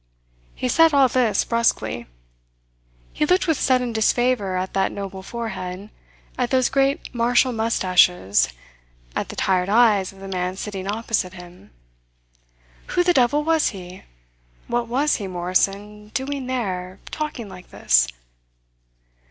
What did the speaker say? He said all this brusquely. He looked with sudden disfavour at that noble forehead, at those great martial moustaches, at the tired eyes of the man sitting opposite him. Who the devil was he? What was he, Morrison, doing there, talking like this?